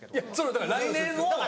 だから「来年」を。